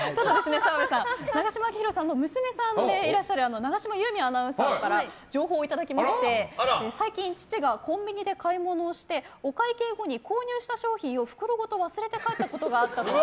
澤部さん、永島昭浩さんの娘さんでいらっしゃる永島優美アナウンサーから情報をいただきまして最近、父がコンビニで買い物をしてお会計後に購入した商品を袋ごと忘れて帰ったことがあったと。